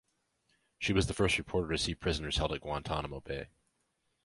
She was the first reporter to see prisoners held at Guantanamo Bay.